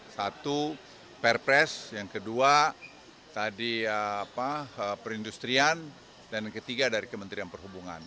satu perpres yang kedua tadi perindustrian dan yang ketiga dari kementerian perhubungan